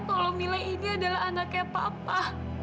kalau mila ini adalah anaknya papa